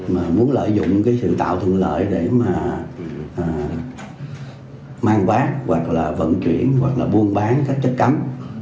mà muốn lợi dụng sự tạo thường lợi để mang vác vận chuyển buôn bán các chất cấm